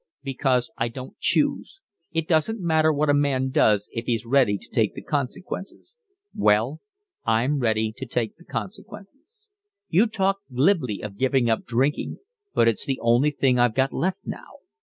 "Because I don't choose. It doesn't matter what a man does if he's ready to take the consequences. Well, I'm ready to take the consequences. You talk glibly of giving up drinking, but it's the only thing I've got left now.